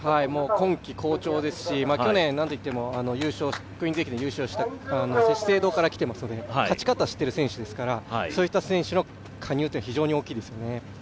今季、好調ですし、去年何といってもクイーンズ駅伝優勝した資生堂から来てますので勝ち方を知ってる選手ですから、そういった選手の加入というのは非常に大きいですよね。